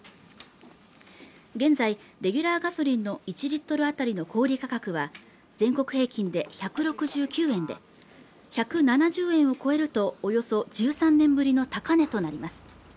現在、レギュラーガソリンの１Ｌあたりの小売価格は全国平均で１６９円で１７０円を超えると、およそ１３年ぶりの高値となります。